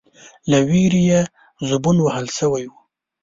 ، له وېرې يې زبون وهل شوی و،